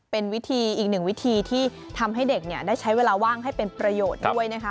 เป็นวิธีอีกหนึ่งวิธีที่ทำให้เด็กได้ใช้เวลาว่างให้เป็นประโยชน์ด้วยนะคะ